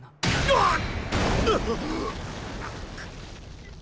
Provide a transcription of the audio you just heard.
あっ！